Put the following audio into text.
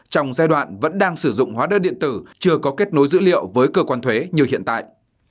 trong giai đoạn vẫn đang sử dụng hóa đơn điện tử chưa có kết nối dữ liệu với cơ quan thuế như hiện tại